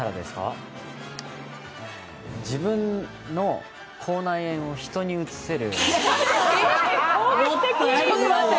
自分の口内炎を人にうつせる。